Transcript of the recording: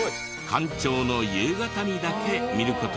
干潮の夕方にだけ見る事ができるそうです。